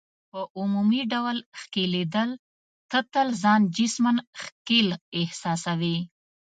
په عمومي ډول ښکیلېدل، ته تل ځان جسماً ښکېل احساسوې.